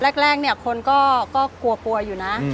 แรกแรกเนี้ยคนก็กลัวปลวยอยู่นะอืม